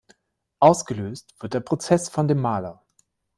Ausgelöst wird der Prozess von dem Maler.